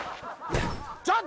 ちょっと。